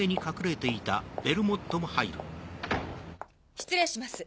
失礼します。